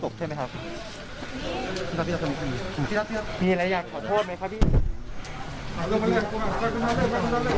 ตกใช่ไหมครับมีอะไรอยากขอโทษไหมครับพี่